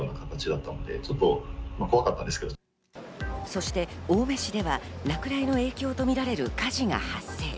そして、青梅市では落雷の影響とみられる火事が発生。